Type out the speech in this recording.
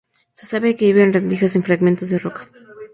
Se sabe que vive en rendijas en fragmentos de rocas.